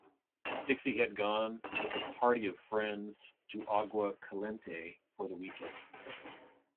Dixie had gone with a party of friends to Agua Caliente for the weekend.